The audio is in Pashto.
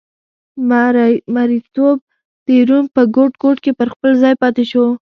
مریتوب د روم په ګوټ ګوټ کې پر خپل ځای پاتې شو